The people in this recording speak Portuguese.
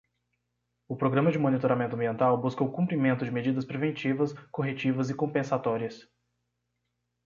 O programa de monitoramento ambiental busca o cumprimento de medidas preventivas, corretivas e compensatórias.